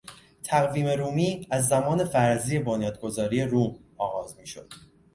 تقویم رومی از زمان فرضی بنیادگذاری روم آغاز میشد.